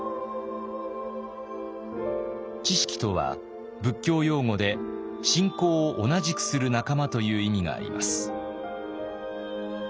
智識とは仏教用語で信仰を同じくする仲間という意味があります。